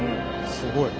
すごい。